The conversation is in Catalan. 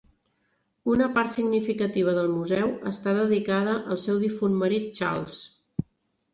Una part significativa del museu està dedicada al seu difunt marit Charles.